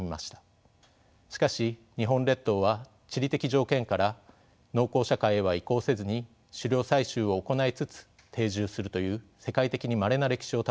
しかし日本列島は地理的条件から農耕社会へは移行せずに狩猟採集を行いつつ定住するという世界的にまれな歴史をたどったのです。